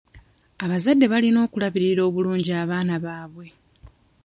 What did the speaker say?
Abazadde balina okulabirira obulungi abaana baabwe.